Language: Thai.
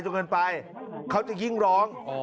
จนเกินไปเขาจะยิ่งร้อง